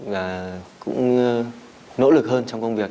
và cũng nỗ lực hơn trong công việc